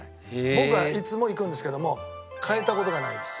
僕はいつも行くんですけども買えた事がないです。